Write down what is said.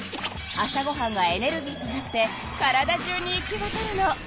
朝ごはんはエネルギーとなって体中に行きわたるの。